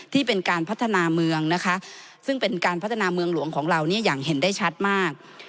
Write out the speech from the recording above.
ที่เป็นการพัฒนาเมืองนะคะซึ่งเป็นการพัฒนาเมืองหลวงของเราเนี่ยอย่างเห็นได้ชัดมาก